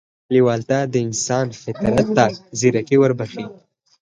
لېوالتیا د انسان فطرت ته ځيرکي وربښي.